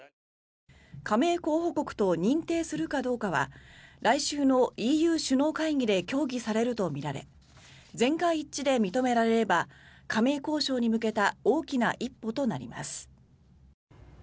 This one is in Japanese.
加盟候補国と認定するかどうかは来週のＥＵ首脳会議で協議されるとみられ全会一致で認められれば加盟交渉に向けた大きな一歩となります。